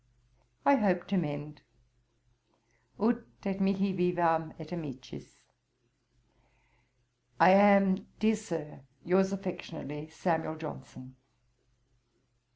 I hope to mend, ut et mihi vivam et amicis. 'I am, dear Sir, 'Your's affectionately, 'SAM. JOHNSON.'